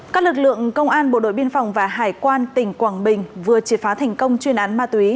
các lực lượng công an bộ đội biên phòng và hải quan tỉnh quảng bình vừa triệt phá thành công chuyên án ma túy